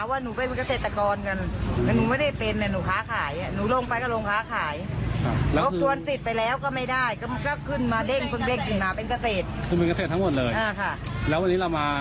โอ้โฮเรื่องข้อมูลข้อมูลข้อมูลทำไม